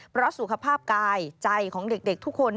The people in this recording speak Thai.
เพราะสุขภาพกายใจของเด็กทุกคน